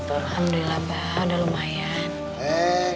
alhamdulillah bang udah lumayan